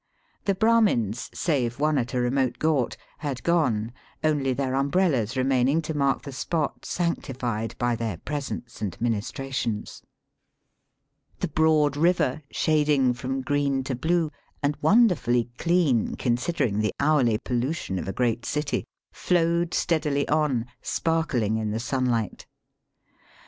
The Brahmins, save one at a remote ghat, had gone, only their umbrellas remaining to mark the spot sanctified by their presence and ministrations* The broad river, shading from Digitized by VjOOQIC 232 BAST BY :WEST. green to blue, and wonderfully clean consider ing the hourly pollution of a great city, flowed steadily on, sparkling in the sunlight.